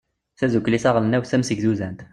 tadukli taɣelnawt tamsegdudant